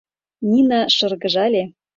Нина шыргыжале: